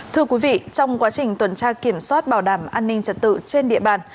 thưa quý vị trong quá trình tuần tra kiểm soát bảo đảm an ninh trật tự trên địa bàn